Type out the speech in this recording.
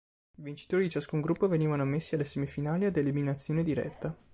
I vincitori di ciascun gruppo venivano ammessi alle semifinali ad eliminazione diretta.